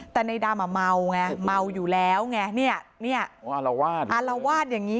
แต่ในดำเมาอยู่แล้วอารวาสอย่างนี้